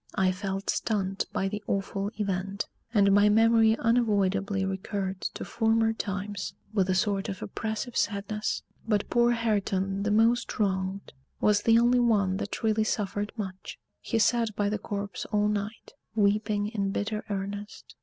I felt stunned by the awful event; and my memory unavoidably recurred to former times with a sort of oppressive sadness. But poor Hareton, the most wronged, was the only one that really suffered much. He sat by the corpse all night, weeping in bitter earnest.